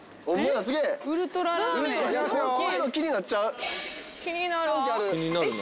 こういうの気になっちゃう。